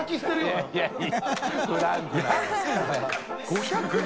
５００円？